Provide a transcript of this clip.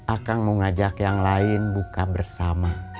akan mau ngajak yang lain buka bersama